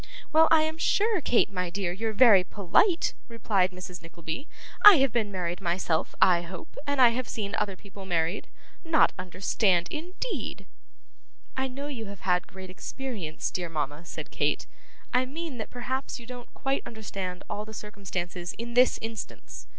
'Well I am sure, Kate, my dear, you're very polite!' replied Mrs Nickleby. 'I have been married myself I hope, and I have seen other people married. Not understand, indeed!' 'I know you have had great experience, dear mama,' said Kate; 'I mean that perhaps you don't quite understand all the circumstances in this instance.